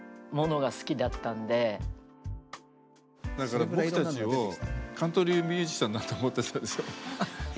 俺たちをカントリーミュージシャンだと思ってたでしょ？